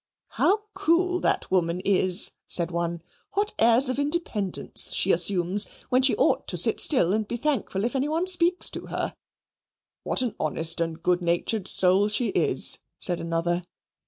"How cool that woman is," said one; "what airs of independence she assumes, where she ought to sit still and be thankful if anybody speaks to her!" "What an honest and good natured soul she is!" said another.